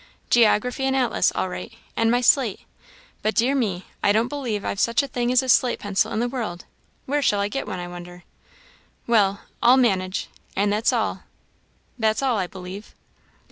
geography and atlas all right; and my slate; but dear me, I don't believe I've such a thing as a slate pencil in the world; where shall I get one, I wonder? well, I'll manage. And that's all that's all, I believe."